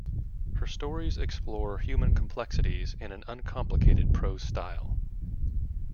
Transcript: Her stories explore human complexities in an uncomplicated prose style.